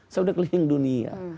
saya udah keliling dunia